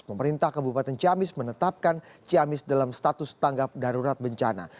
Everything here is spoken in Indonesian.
pemerintah kabupaten ciamis menetapkan ciamis dalam status tanggap darurat bencana